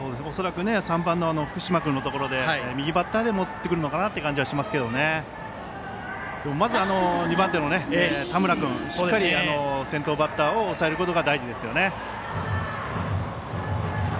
恐らく３番の福島君のところで右バッターで戻ってくるのかなという感じはしますがまず２番手の田村君がしっかり先頭バッターを抑えることが大事ですね。